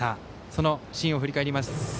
そのシーンを振り返ります。